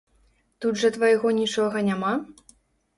Тут жа твайго нічога няма?